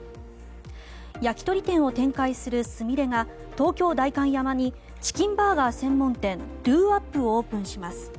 焼き鳥店を展開するすみれが東京・代官山にチキンバーガー専門店ＤｏｏＷｏｐをオープンします。